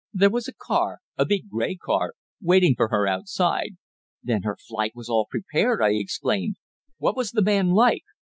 There was a car a big grey car waiting for her outside." "Then her flight was all prepared!" I exclaimed. "What was the man like?"